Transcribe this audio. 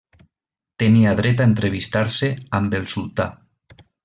Tenia dret a entrevistar-se amb el sultà.